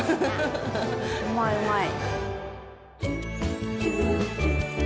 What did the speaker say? ・うまいうまい。